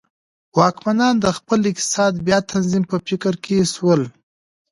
واکمنان د خپل اقتصاد بیا تنظیم په فکر کې شول.